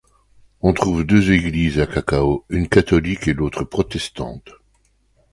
On trouve deux églises à Cacao, une catholique et l'autre protestante.